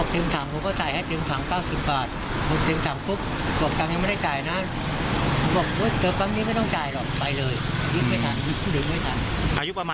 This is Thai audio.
สีเขียวหรอครับ